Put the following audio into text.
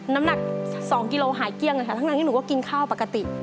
น้ำหนัก๒กิโลหายเกลี้ยงเลยค่ะทั้งที่หนูก็กินข้าวปกติ